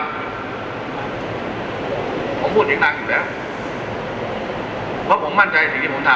ผมพูดเสียงดังอยู่แล้วเพราะผมมั่นใจสิ่งที่ผมทำ